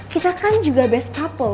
kita kan juga best couple